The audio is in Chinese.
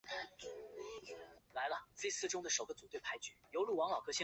可溶于多数有机溶剂。